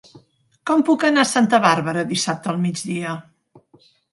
Com puc anar a Santa Bàrbara dissabte al migdia?